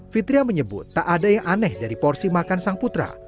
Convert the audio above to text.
fitria menyebut tak ada yang aneh dari porsi makan sang putra